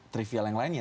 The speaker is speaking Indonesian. trivial yang lainnya